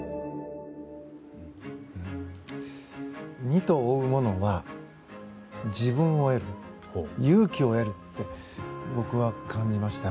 二兎を追うものは自分を得る勇気を得るって僕は感じました。